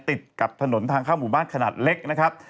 ติดกับถนนทางเข้าหมู่บ้านขนาดเล็กนะครับ